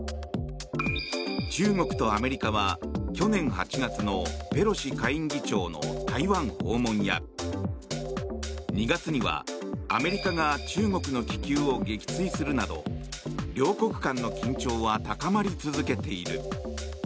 中国とアメリカは去年８月のペロシ下院議長の台湾訪問や２月にはアメリカが中国の気球を撃墜するなど両国間の緊張は高まり続けている。